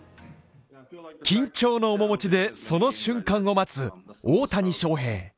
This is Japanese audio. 緊張の面持ちでその瞬間を待つ大谷翔平